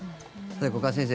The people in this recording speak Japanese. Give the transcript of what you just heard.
五箇先生